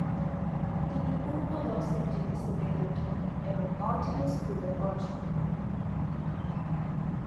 তিনি পূর্ব লস এঞ্জেলেসে বেড়ে ওঠেন এবং নর্থ হিলস স্কুলে পড়াশোনা করেন।